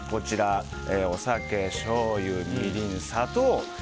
お酒、しょうゆ、みりん、砂糖。